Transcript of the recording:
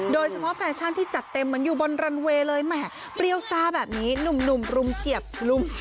แฟชั่นที่จัดเต็มเหมือนอยู่บนรันเวย์เลยแหมเปรี้ยวซ่าแบบนี้หนุ่มรุมเจียบรุม